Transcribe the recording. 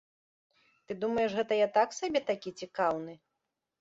Ты думаеш, гэта я так сабе такі цікаўны?